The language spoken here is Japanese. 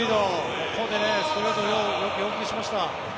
ここでストレートよく要求しました。